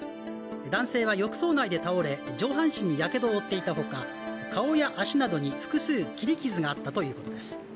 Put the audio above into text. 男性は浴槽内で倒れ上半身にやけどを負っていたほか顔や足などに複数切り傷があったということです。